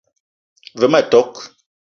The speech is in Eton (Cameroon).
Ve ma tok :